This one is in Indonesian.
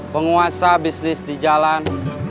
penguasa bisnis di jalan